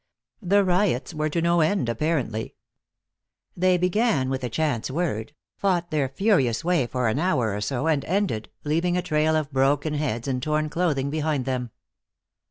The riots were to no end, apparently. They began with a chance word, fought their furious way for an hour or so, and ended, leaving a trail of broken heads and torn clothing behind them.